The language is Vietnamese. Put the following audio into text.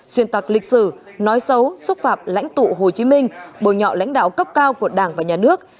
xuyên tạc lịch sử nói xấu xúc phạm lãnh tụ hồ chí minh bồi nhọ lãnh đạo cấp cao của đảng và nhà nước